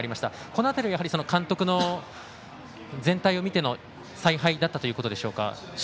この辺り、監督の全体を見ての采配だったということでしょうか。